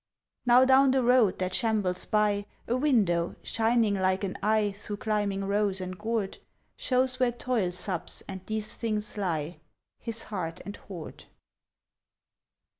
Now down the road, that shambles by, A window, shining like an eye Through climbing rose and gourd, Shows where Toil sups and these things lie, His heart and hoard.